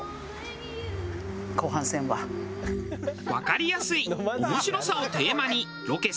「わかりやすい面白さ」をテーマにロケ再開。